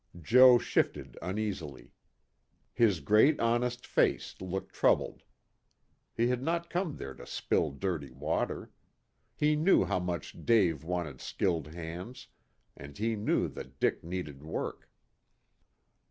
Joe shifted uneasily. His great honest face looked troubled. He had not come there to spill dirty water. He knew how much Dave wanted skilled hands, and he knew that Dick needed work.